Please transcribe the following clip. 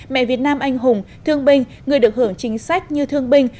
mẹ việt nam anh hùng thương bình người được hưởng chính sách như thương bình